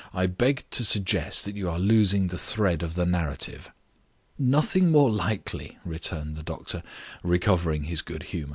"I beg to suggest that you are losing the thread of the narrative." "Nothing more likely," returned the doctor, recovering his good humor.